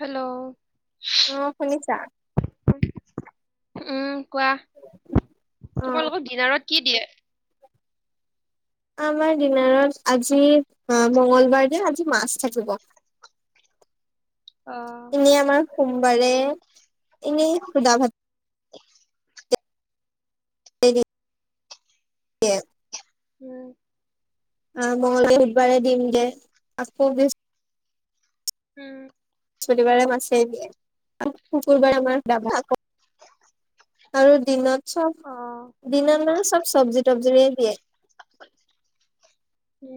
Hello. অ', শুনিছা? উ। কোৱা, অ তোমালোকৰ ডিনাৰত কি দিয়ে? আমাৰ ডিনাৰত আজি, মঙ্গলবাৰ যে আজি মাছ থাকিব। অ'। এনেই আমাৰ সোমবাৰে এনেই সুধা ভাত। [unintelligible] উ। মঙলে বুধবাৰে ডিম দিয়ে। আকৌ বৃচ উ। স্পতিবাৰে মাছেই দিয়ে। শুক শুকুৰবাৰে আমাৰ [unintelligible] আকৌ আৰু দিনত চব অ দিনত নহ চব চবজি তবজিৰে দিয়ে। উ।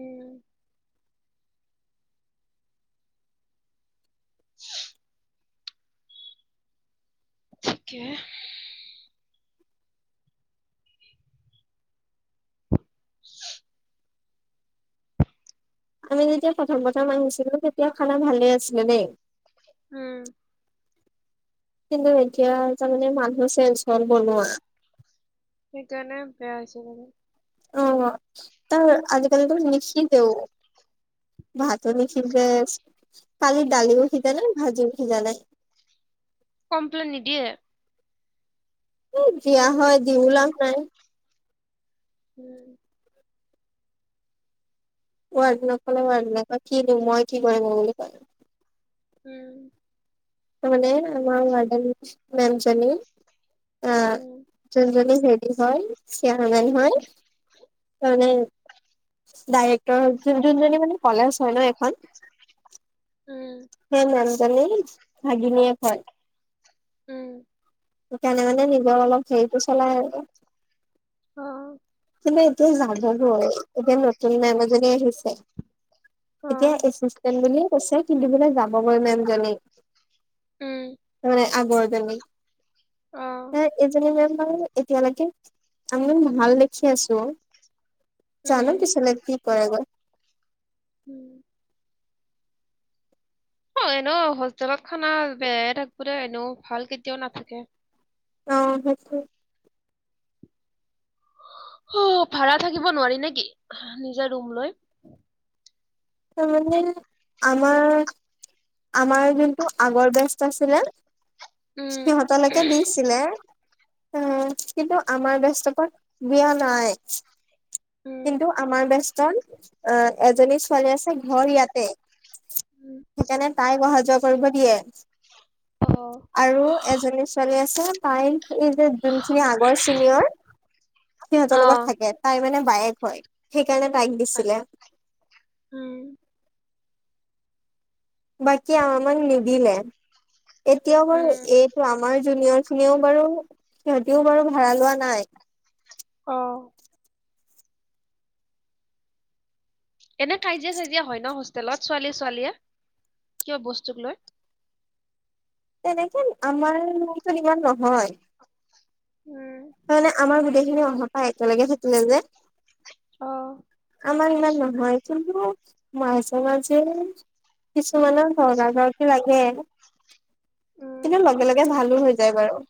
[inaudible] ঠিকে। [inaudible] আমি যেতিয়া প্ৰথম প্ৰথম আহিছিলো তেতিয়া খানা ভালে আছিলে দেই। উম। কিন্তু এতিয়া তাৰমানে মানুহ চেঞ্চ হ'ল বনোৱা। সেইকাৰণে বেয়া হৈছে মানে? অ' তো আজিকালিটো নিসিজেও। ভাতো নিসিজে কালি দালিও সিজা নাই ভাজিও সিজা নাই। কমপ্লেইন নিদিয়ে? দিয়া হয় দিও লাভ নাই। উম [inaudible] ৱাৰ্ডেনক কলে ৱাৰ্ডেনে কয় কিনো মই কি কৰিম বুলি কয়। উম। মানে আমাৰ ৱাৰ্ডেন মেমজনী অ' উম যোনজনী হেৰি হয় চেয়াৰমেন হয় মানে ডাইৰেক্টৰ মানে যোনজনীমানে কলেজ হয় ন' এখন উম হে মানুহ জনী ভাগিনীয়েক হয়। উম। সেইকাৰণে মানে নিজৰ অলপ হেৰিটো চলাই আৰু। অ কিন্তু এতিয়া যাবগৈ এতিয়া ন নতুন মেম এজনি আহিছে। অ এতিয়া এচিষ্টেন বুলিয়ে কৈছে কিনেবেলাক [unintelligible] যাবগৈ মেম জনী। উম তাৰমানে আগৰ জনী। অ এ এইজনী মেম বাৰু এতিয়ালৈকে আমি ভাল দেখি আছো। যানো উম পিচলে কি কৰে গৈ। উম অ' এনেও হোষ্টেলত খানা বেয়াই থাকিবে দে এনেও ভাল কেতিয়াও নাথাকে। অ' সেইটো অ' ভাৰা থাকিব নোৱাৰি নেকি নিজে ৰুম লৈ? তাৰমানে আমাৰ আমাৰ যোনটো আগৰ বেষ্ট আছিলে উম সিহঁতলৈকে দিছিলে অ' কিন্তু আমাৰ বেষ্টৰ পৰা দিয়া নাই। উম কিন্তু আমাৰ বস্ত কাৰ এজনী কলেজ তাই ঘৰ ইয়াতে। উম সেইকাৰণে তাই অহা-যোৱা কৰিব দিয়ে। অ আৰু এজনী ছোৱালী আছে তাই এই যে যোনখিনি আগৰ চিনিয়ৰ, সিহঁতৰ অ লগত থাকে। তাই মানে বায়েক সেই তাগ দিছিলে [inaudible] উম। বাকী আামাক নিদিলে। এতিয়াও বাৰু উম এইটো আমাৰ জুনিয়ৰ খিনিও বাৰু সিহঁতিও বাৰু ভাড়া লোৱা নাই। অঁ। এনে কাজিয়া- চাইজিয়া হয় ন হোষ্টেলত ছোৱালী ছোৱালীয়ে কিয় বস্তুক লৈ? তেনেকে আমাৰ ৰুমটোত ইমান নহয়। উম আমি অহাৰ পৰা একেলগে থাকিলে যে। অ আমাৰ ইমান নহয় কিন্তু মাজে-মাজে কিছুমানৰ তৰ্কাতৰ্কি লাগে। কিন্তু উম লগে লগে ভালো হৈ যায় বাৰু।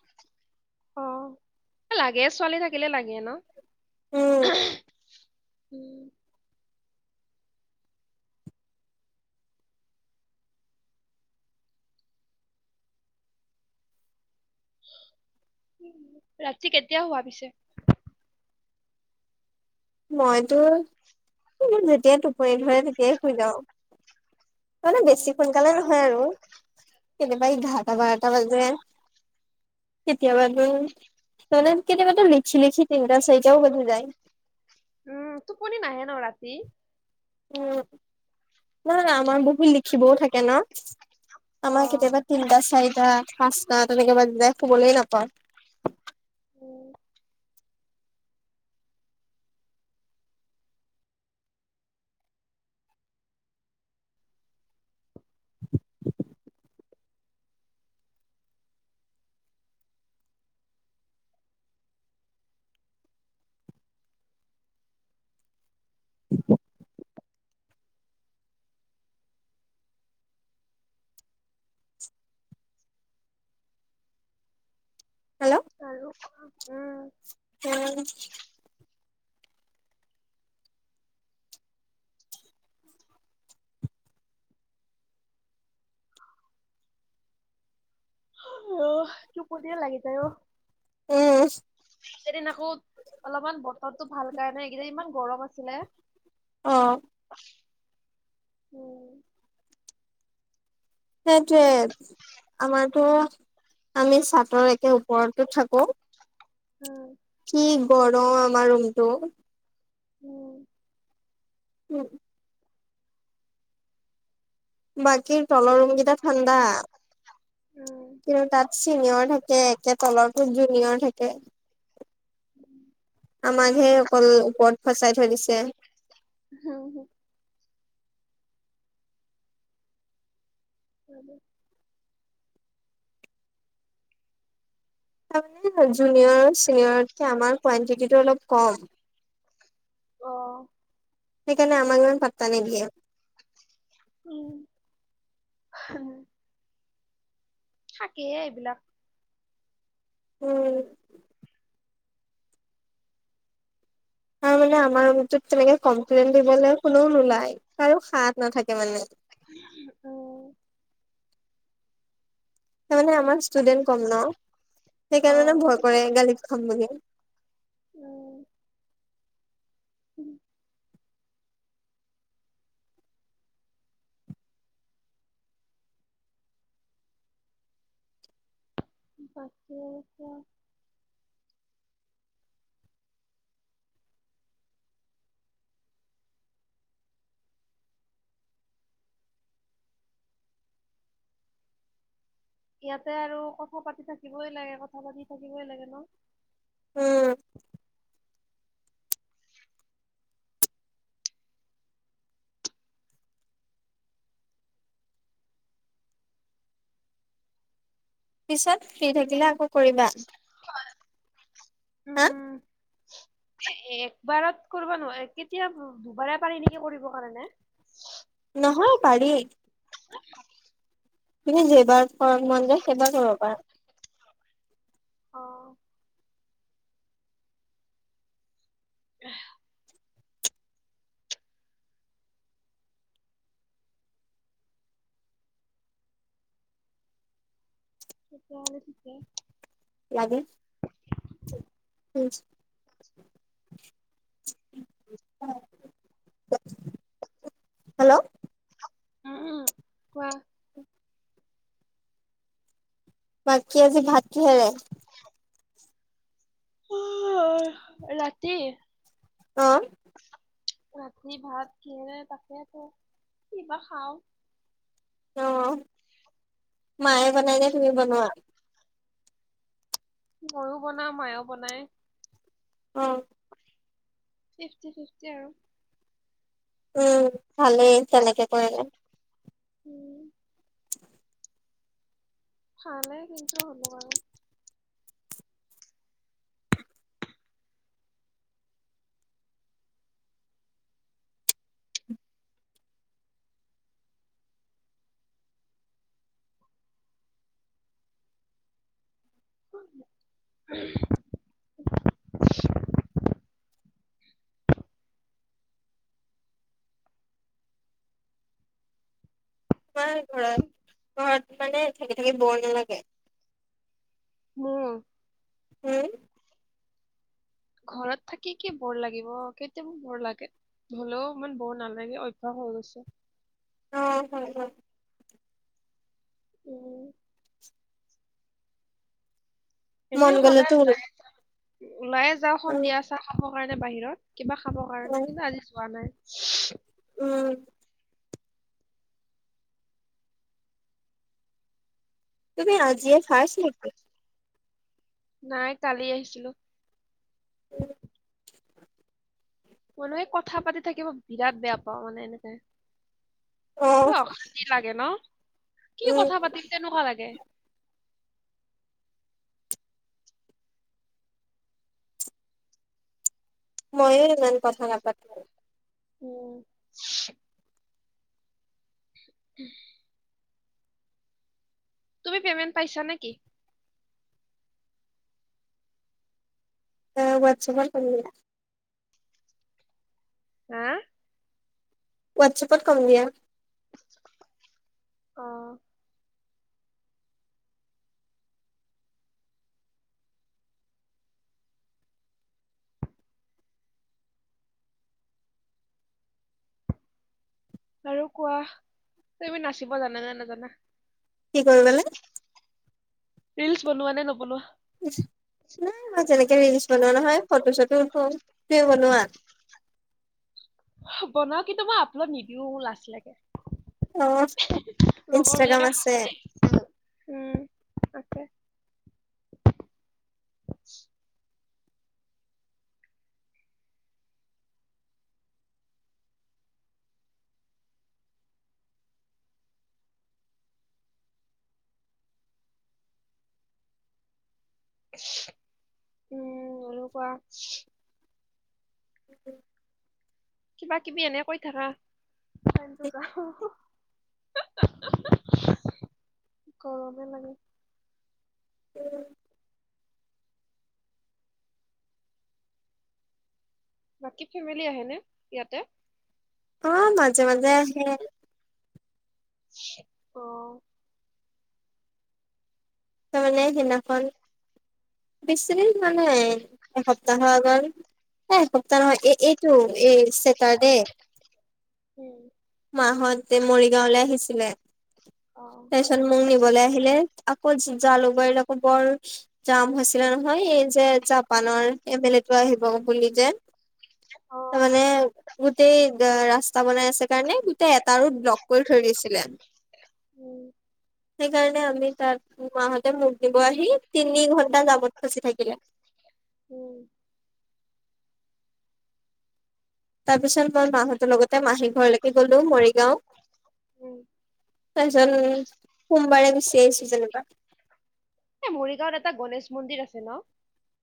অ লাগে ছোৱালী থাকিলে লাগে ন'। উম [unintelligible] উম'। ৰাতি কেতিয়া শুৱা পিছে। মইতো যেতিয়াই টোপনি ধৰে তেতিয়াই শুই যাওঁ। মানে উম বেছি সোনকালে নহয় আৰু কেতিয়াবা এঘাৰটা, বাৰটা বাজে। কেতিয়াবাতো মানে কেতিয়াবাতো লিখি লিখি তিনটা, চাৰিটাও বাজি যায়। উম, টোপনি নাহে ন ৰাতি। উম, নাই নাই আমাৰ বহুত লিখিবও থাকে ন। অ আমাৰ কেতিয়াবা তিনিটা, চাৰিটা। পাঁচটা তেনেকে বাজি যায় শুবলৈ নাপাওঁ। উম আৰু উম সেয়াই। অঁ', টোপনিয়ে লাগি যায় অঁ উম, এদিন আকৌ অলপমান বতৰটো ভাল কাৰণে এইকেই ইমান গৰম আছিলে। অঁ, '। উম। সেইটোৱে, আমাৰতো আমি চাটৰ একে ওপৰতো থাকো। উম কি গৰম আমাৰ ৰুমটো। উম। উম। বাকী তলৰ ৰুম কেইটা ঠাণ্ডা। কিন্তু তাত চিনিয়ৰ থাকে একে তলৰটোত জুনিয়ৰ থাকে। আমাকহে অকল ওপৰত ফচাই থৈ দিছে। [unintelligible] উম। [unintelligible] হ'ল। জুনিয়ৰ চিনিয়ৰতকে আমাক কোৱানটিটিটো অলপ কম। অ'। সেইকানে আমাক ইমান পাত্তা নিদিয়ে। উম থাকেই এইবিলাক। উম আৰু মানে আমাৰ ৰুমটোত তেনেকে কমপ্লেইন দিবলৈ কোনো নোলায়। কাৰো সাহস নাথাকে মানে। অ'। তাৰমানে আমাৰ ষ্টুডেন কম ন। অ সেইকাৰণে মানে ভয় কৰে। গালি খাম বুলি। অ উম বাকী কোৱা ইয়াতে আৰু কথা পাতি থাকিবই লাগে, কথা পাতি থাকিবই লাগে ন। উম পিছত ফ্ৰী থাকিলে আকৌ কৰিবা, হাঁ? উম একবাৰত কৰিব নোৱাৰ, কেতিয়া দুবাৰে পাৰি নেকি কৰিব কাৰণে। নহয়, পাৰি। [unintelligible] তুমি যেইবাৰ [unintelligible] অ মন যায় সেইবাৰ কৰিব পাৰা। অ'। [unintelligible] তেতিয়াহ'লে ঠিকে। লাগে। হেল্ল'! উম, কোৱা। বাকী, আজি ভাত কিহেৰে? [unintelligible] ৰাতি? অঁ। ৰাতি ভাত কিহেৰে তাকে আকৌ, কি বা খাও। অঁ। মায়ে বনাই নে তুমি বনোৱা? ময়ও বনাওঁ মায়েও বনাই। অঁ ফিফটি ফিফটি আৰু। উম, ভালেই তেনেকে কৰিলে উম ভালে কিন্তু [unintelligible] বাৰু [inaudible] তোমাৰ ঘৰত, ঘৰত মানে থাকি-থাকি বৰ নালাগে? মোৰ উম ঘৰত থাকি কি বৰ লাগিব, কেতিয়াবা বৰ লাগে, হলেও ইমান বৰ নালাগে, অভ্যাস হৈ গৈছে। অঁ উম মন এনেই গ'লেতো সদায় ওল ওলাইে যাওঁ অ সন্ধিয়া চাহ খাব। হয় নে বাহিৰত কিবা খাবৰ অ কাৰণে, কিন্তু আজি যোৱা নাই। [inaudible] উম তুমি আজিয়ে ফাৰ্ষ্ট নেকি? নাই কালি আহিছিলো। উম [unintelligible] কথা পাতি থাকিব বিৰাট বেয়া পাওঁ মানে এনেকে অ অসান্তি লাগে ন, কি উম কথা পাতিম তেনেকুৱা লাগে। মইও ইমান কথা নাপা উম [inaudible] তুমি পেমেন্ট পাইছা নেকি? আ ৱাট্এপ কম দিয়া। হা ৱাট্আপত কম দিয়া অঁ আৰু কোৱা তুমি নাচিব জানানে নাজানা? কি কৰিবলে? ৰিল্চ বনোৱা নে নবনোৱা? [unintelligible] তেনেকে ৰিল্চ বনোৱা নহয়, ফটো-চটো উঠো, তুমি বনোৱা? বনাও কিন্তু মই আপলড নিদিও লাজ লাগে আহ, লগৰ বিলাকে ইনষ্টাগ্ৰাম আছে? হাঁহে উম তাকে। উ, অলকুৱা কিবা-কিবি এনে কৈ থাকা, টাইমটো যাও, গৰমে লাগে। বাকী ফেমিলি আহেনে? ইয়াতে। অ', মাজে-মাজে আহে। অ'। ত মানে সেনাখন বেছিৰি মানে এসপ্তাহৰ আগৰ এ, এসপ্তাহ নহয়, এই এইটো এই চেটাৰডে। উ। মাঁ'হতে মৰিগাঁৱলে আহিছিলে। অ তাইছত মোক নিবলৈ আহিলে। আকৌ জা-জালুকবাৰীত আকৌ বৰ জাম হৈছিলে নহয়। এই যে জাপানৰ এম এল এটো আহিব বুলি যে। অ তামানে গোতেই ৰাস্তা বনাই আছে। কাৰণে গোটেই এটা ৰোদ ব্লক কৰি থৈ দিছিলে। উ। সেইকাৰণে আমি তাত মাহঁতে মোক দিব আহি তিনি ঘন্টা জামত ফচি থাকিলে। উ। তাৰ পিছত মই মাহঁতৰ লগতে মাহী ঘৰলৈকে গ'লো। মৰি গাঁও। উম তাৰপিছত সোমবাৰে গুচি আহিছো যেনিবা। এ মৰিগাঁৱত এটা গণেশ মন্দিৰ আছে ন?